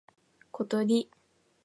ことり